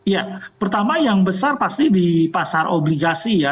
ya pertama yang besar pasti di pasar obligasi ya